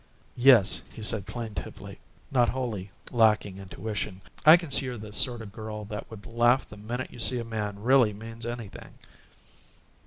"Yes," he said, plaintively, not wholly lacking intuition, "I can see you're the sort of girl that would laugh the minute you see a man really means anything!"